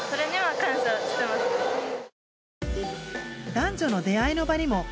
男女の出会いの場にも変化が。